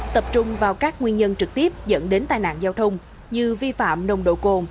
tập trung vào các nguyên nhân trực tiếp dẫn đến tai nạn giao thông như vi phạm nồng độ cồn